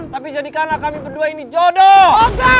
tapi jadikanlah kami berdua ini jodoh